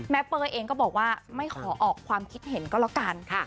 แม่เปอร์เองก็บอกว่าไม่ขอออกความคิดเห็นก็ละกันค่ะ